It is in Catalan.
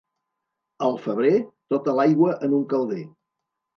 Al febrer, tota l'aigua en un calder.